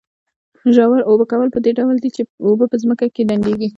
ژور اوبه کول په دې ډول دي چې اوبه په ځمکه کې ډنډېږي.